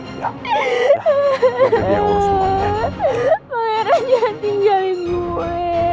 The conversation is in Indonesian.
pangeran jangan tinggalin gue